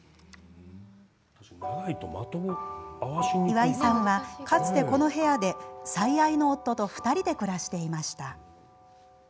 岩井さんは、かつてこの部屋で最愛の夫と２人で暮らしていました。